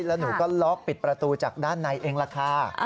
แล้วหนูก็ล็อกปิดประตูจากด้านในเองล่ะค่ะ